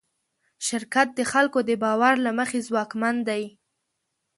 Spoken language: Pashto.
شرکت د خلکو د باور له مخې ځواکمن دی.